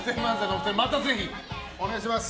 お二人またよろしくお願いします。